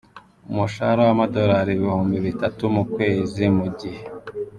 umushahara w’amadorali ibihumbi bitatu ku kwezi mu gihe